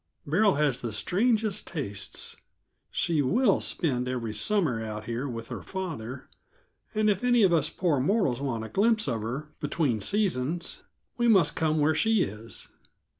Beryl has the strangest tastes. She will spend every summer out here with her father, and if any of us poor mortals want a glimpse of her between seasons, we must come where she is.